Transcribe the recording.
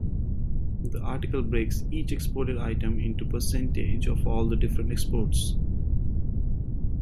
The article breaks each exported item into a percentage of all the different exports.